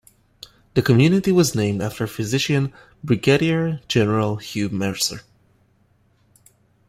The community was named after physician Brigadier General Hugh Mercer.